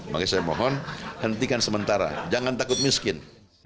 makanya saya mohon hentikan sementara jangan takut miskin